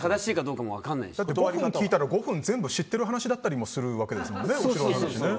５分聞いたら５分全部知ってる話だったりするわけですもんね。